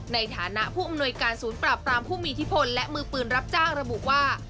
ในฐานะผู้อำนวยการศูนย์ปราบปรามผู้มีอิทธิพลและมือปืนรับจ้างระบุว่า